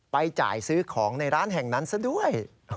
จ่ายซื้อของในร้านแห่งนั้นซะด้วย